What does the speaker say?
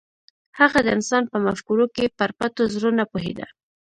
هغه د انسان په مفکورو کې پر پټو زرو نه پوهېده.